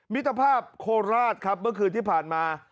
มิตรภาพโคราชครับเมื่อคืนที่ผ่านมา